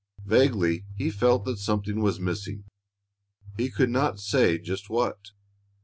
Vaguely he felt that something was missing, he could not say just what.